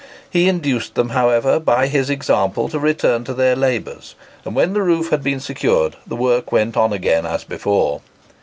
He induced them, however, by his example, to return to their labours; and when the roof had been secured, the work went on again as before.